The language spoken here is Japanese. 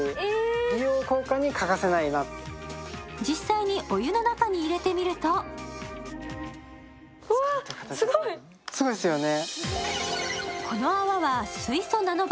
実際にお湯の中に入れてみるとすごいですよね。